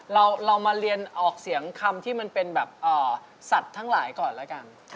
เรามาเรียนออกเสียงคำที่มันเป็นแบบสัตว์ทั้งหลายก่อนแล้วกัน